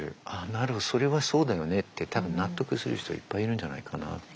なるほどそれはそうだよねって多分納得する人いっぱいいるんじゃないかなって。